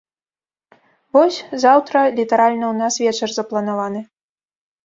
Вось, заўтра літаральна ў нас вечар запланаваны.